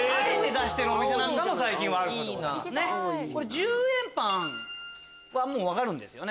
１０円パンは分かるんですよね？